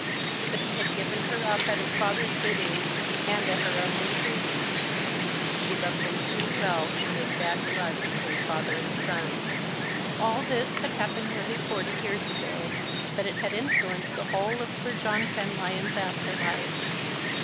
But he had given her up at his father's bidding, and at her own entreaty. She loved him too well to make bad blood between father and son* The Christmas Hirelings. 69 All this had happened nearly forty years ago, but it had influenced the whole of Sir John Penlyon's after life.